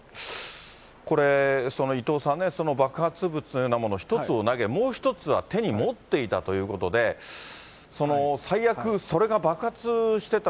これ、伊藤さんね、その爆発物のようなものを１つを投げ、もう１つは手に持っていたということで、最悪、それが爆発してた